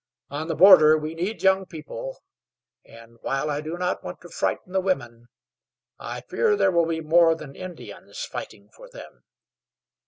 On the border we need young people, and, while I do not want to frighten the women, I fear there will be more than Indians fighting for them."